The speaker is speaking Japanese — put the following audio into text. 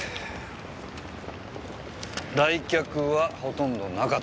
来客はほとんどなかった。